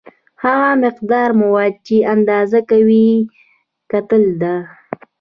هغه مقدار مواد چې اندازه کوي کتله ده.